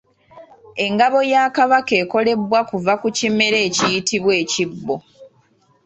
Engabo ya Kabaka ekolebwa kuva ku kimera ekiyitibwa Ekibo.